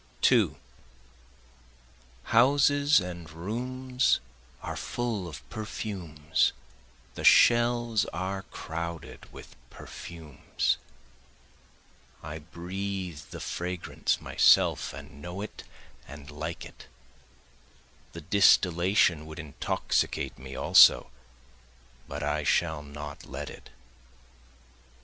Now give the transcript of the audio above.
2 Houses and rooms are full of perfumes, the shelves are crowded with perfumes, I breathe the fragrance myself and know it and like it, The distillation would intoxicate me also, but I shall not let it.